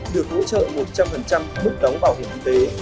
được hỗ trợ một trăm linh mức đóng bảo hiểm y tế